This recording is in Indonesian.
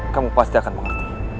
kamu pasti akan mengerti